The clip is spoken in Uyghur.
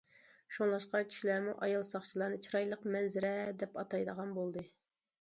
شۇڭلاشقا كىشىلەرمۇ ئايال ساقچىلارنى‹‹ چىرايلىق مەنزىرە›› دەپ ئاتايدىغان بولدى.